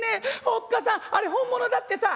おっ母さんあれ本物だってさ！」。